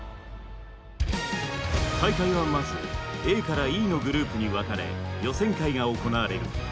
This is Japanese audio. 大会はまずＡからＥのグループに分かれ予選会が行われる。